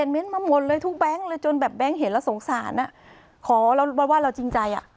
เน้นมาหมดเลยทุกแบงค์เลยจนแบบแบงค์เห็นแล้วสงสารอ่ะขอเราว่าเราจริงใจอ่ะ